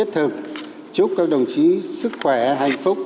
chúc các đồng chí sức khỏe hạnh phúc